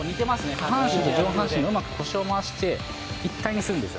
下半身と上半身をうまく腰を回して一体にするんですよ。